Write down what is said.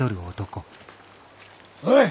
おい。